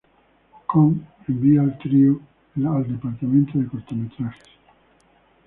Cohn envía al trio al departamento de cortometrajes.